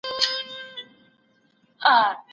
موږ بايد خپل تاريخ ولولو.